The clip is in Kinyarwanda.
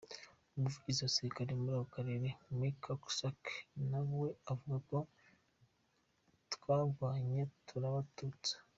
Umuvugizi wa gisirikare muri ako karere, Mak Hazukay na we avuga ati:"Twagwanye turabatutsa.